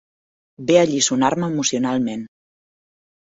Ve a alliçonar-me emocionalment.